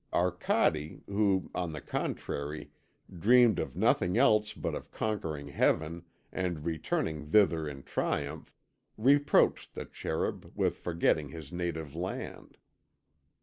Arcade, who, on the contrary, dreamed of nothing else but of conquering Heaven and returning thither in triumph, reproached the Cherub with forgetting his native land.